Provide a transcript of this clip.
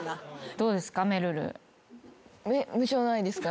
どうですか？